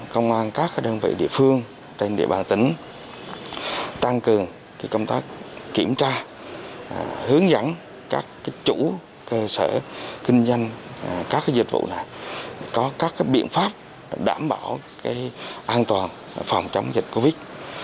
công an các đơn vị địa phương trên địa bàn tỉnh tăng cường công tác kiểm tra hướng dẫn các chủ cơ sở kinh doanh các dịch vụ này có các biện pháp đảm bảo an toàn phòng chống dịch covid